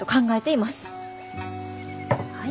はい。